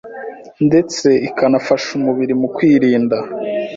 ndetse ikanafasha umubiri mu kwirinda